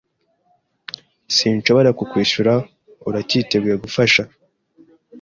Sinshobora kukwishura. Uracyiteguye gufasha?